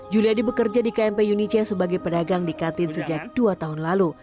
juliadi bekerja di kmp yunice sebagai pedagang di kantin sejak dua tahun lalu